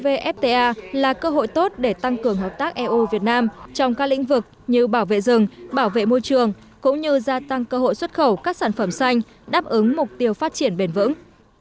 evfta là cơ hội tốt để tăng cường hợp tác eu việt nam trong các lĩnh vực như bảo vệ rừng bảo vệ môi trường cũng như gia tăng cơ hội xuất khẩu các sản phẩm xanh đáp ứng mục tiêu phát triển bền vững